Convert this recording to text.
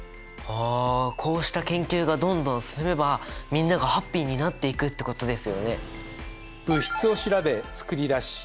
あこうした研究がどんどん進めばみんながハッピーになっていくってことですよね。